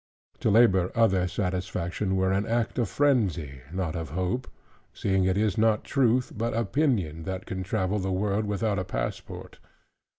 To labor other satisfaction, were an effect of frenzy, not of hope, seeing it is not truth, but opinion, that can travel the world without a passport.